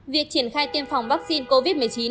việc triển khai tiêm phòng vaccine covid một mươi chín